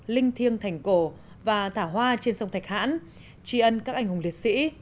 linh thiêng thành cổ và thả hoa trên sông thạch hãn tri ân các anh hùng liệt sĩ